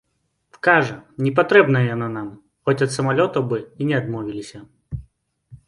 Кажа, не патрэбная яна нам, хоць ад самалётаў бы і не адмовіліся.